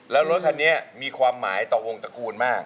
แล้วรถคันนี้มีความหมายต่อวงตระกูลมาก